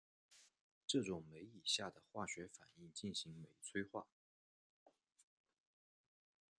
这种酶以下的化学反应进行酶催化。